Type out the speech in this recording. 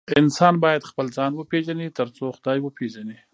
انسان بايد خپل ځان وپيژني تر څو خداي وپيژني